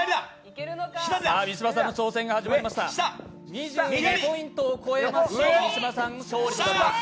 ２２ポイントを超えますと三島さん勝利となります。